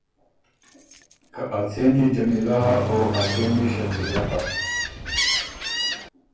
که ا څېن يې جمیلۀ هۀ او ا څېن يې شکیلۀ هۀ۔